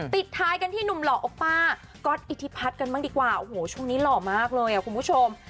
ปิดท้ายกันที่หนุ่มหล่อโอป้าก๊อตอิทธิพัฒน์กันบ้างดีกว่าโอ้โหช่วงนี้หล่อมากเลยอ่ะคุณผู้ชม